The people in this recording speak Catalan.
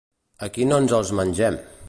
Aquí no ens els mengem.